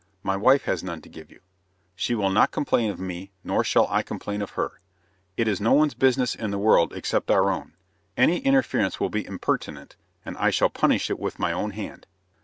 My wife has none to give you. She will not complain of me, nor shall I complain of her. It is no one's business in the world except our own. Any interference will be impertinent, and I shall punish it with my own hand."